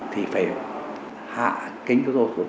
thì phải hạ kính ô tô của mình